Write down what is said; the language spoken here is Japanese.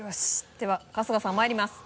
では春日さんまいります。